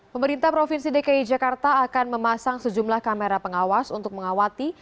pemerintah provinsi dki jakarta akan memasang sejumlah kamera pengawas untuk mengawati